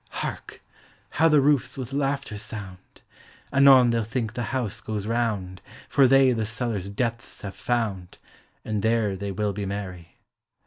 Hark! how the roofs with laughter sound! Anon they'll think the house goes round, For they the cellar's depths have found. And there they will be merry.